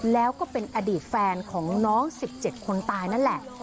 แล้วก็เป็นอดีตแฟนของน้อง๑๗คนตายนั่นแหละ